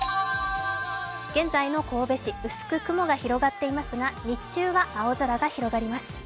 現在の神戸市、薄く雲が広がっていますが、日中は青空が広がります。